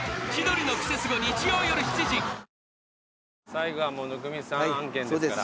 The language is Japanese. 最後は温水さん案件ですから。